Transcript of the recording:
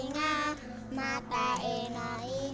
nanti kita kecilkan